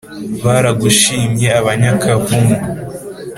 baragushimye abanyakavumu